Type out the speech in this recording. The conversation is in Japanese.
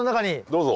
どうぞ。